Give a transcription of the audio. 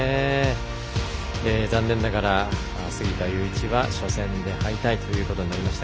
残念ながら、杉田祐一は初戦で敗退ということになりました。